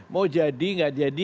mau jadi gak jadi